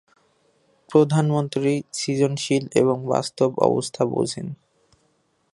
প্রধানমন্ত্রী সৃজনশীল এবং বাস্তব অবস্থা বোঝেন।